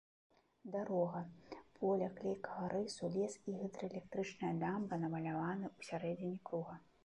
Дарога, поля клейкага рысу, лес і гідраэлектрычная дамба намаляваны ў сярэдзіне круга.